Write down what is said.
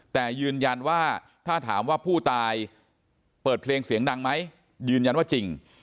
แต่ยืนยันว่าถ้าถามว่าผู้ตายเปิดเพลงเสียงดังไหมยืนยันว่าจริง